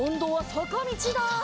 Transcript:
さかみちだ！